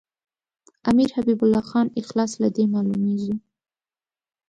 امیر حبیب الله خان اخلاص له دې معلومیږي.